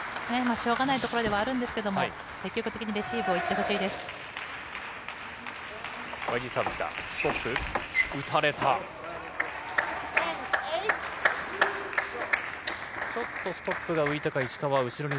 しょうがないところではあるんですけれども、積極的にレシーブをいってほしいです。